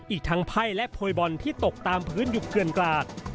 อีกทั้งไพ่และโพยบอลที่ตกตามพื้นอยู่เกลือนกลาด